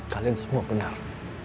kalian semua benar